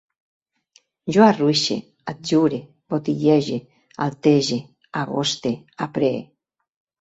Jo arruixe, adjure, botillege, altege, agoste, apree